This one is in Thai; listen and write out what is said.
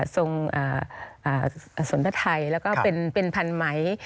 ซงศรพทัยแล้วก็เป็นพันไหม